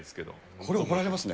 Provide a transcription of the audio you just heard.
これは怒られますね。